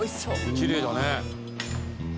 「きれいだね」